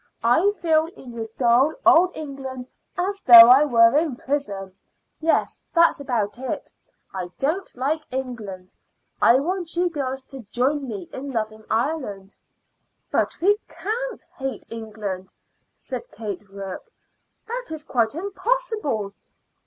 I feel in your dull old England as though I were in prison. Yes, that's about it. I don't like England. I want you girls to join me in loving Ireland." "But we can't hate England," said Kate Rourke; "that is quite impossible.